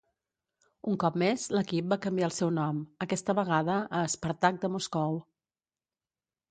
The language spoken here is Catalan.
Un cop més l'equip va canviar el seu nom, aquesta vegada a Spartak de Moscou.